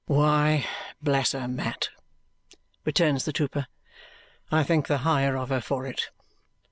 "Why, bless her, Mat," returns the trooper, "I think the higher of her for it!"